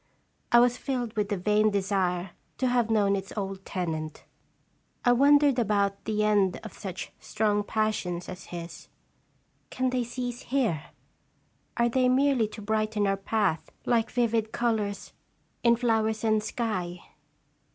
I was filled with the vain desire to have known its old tenant. I wondered about the end of such strong passions as his. Can they cease here ? Are they merely to brighten our path, like vivid colors in flowers and sky